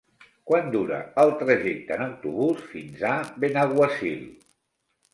Quant dura el trajecte en autobús fins a Benaguasil?